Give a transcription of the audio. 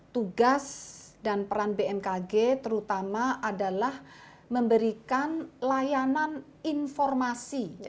tugas dan peran bmkg terutama adalah memberikan layanan informasi